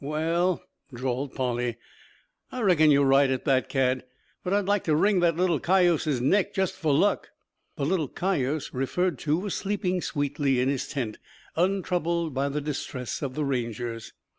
"Wal," drawled Polly, "I reckon you're right at that, Cad. But I'd like to wring that little cayuse's neck just for luck." The "little cayuse" referred to was sleeping sweetly in his tent, untroubled by the distress of the Rangers.